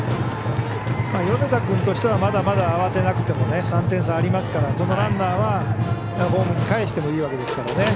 米田君としてはまだまだ慌てなくても３点差ありますからこのランナーはホームにかえしてもいいわけですから。